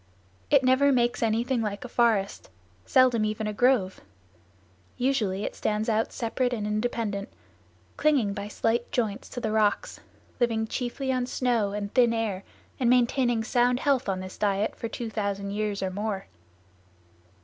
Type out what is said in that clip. It never makes anything like a forest; seldom even a grove. Usually it stands out separate and independent, clinging by slight joints to the rocks, living chiefly on snow and thin air and maintaining sound health on this diet for 2000 years or more.